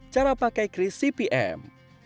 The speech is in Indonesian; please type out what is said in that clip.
cara pakai kris cpm